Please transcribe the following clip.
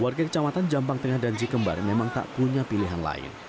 warga kecamatan jampang tengah dan cikembar memang tak punya pilihan lain